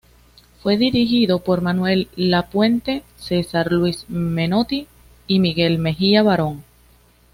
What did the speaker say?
Fue dirigido por Manuel Lapuente, Cesar Luis Menotti y Miguel Mejía Barón.